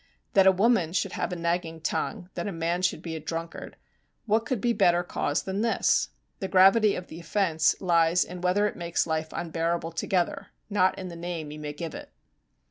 That a woman should have a nagging tongue, that a man should be a drunkard, what could be better cause than this? The gravity of the offence lies in whether it makes life unbearable together, not in the name you may give it.